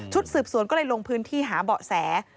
สืบสวนก็เลยลงพื้นที่หาเบาะแส